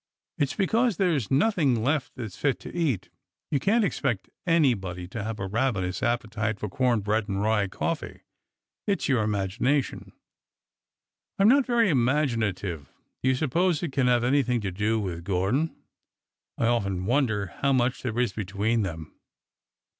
'' It 's because there is nothing left that 's fit to eat. You can't expect anybody to have a rav enous appetite for corn bread and rye coffee. It 's your imagination." I 'm not very imaginative. Do you suppose it can have anything to do with Gordon ? I often wonder how much there is between them."